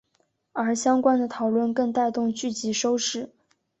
而相关的讨论更带动剧集收视。